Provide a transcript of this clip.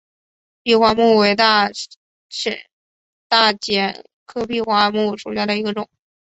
闭花木为大戟科闭花木属下的一个种。